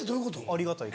ありがたい。